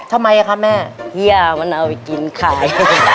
ทำไมคะแม่เฮียมันเอาไปกินขาย